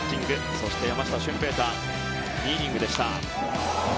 そして山下舜平大２イニングでした。